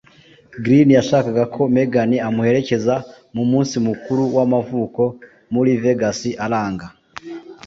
Green yashakaga ko Megan amuherekeza mu munsi mukuru w'amavuko muri Vegas aranga.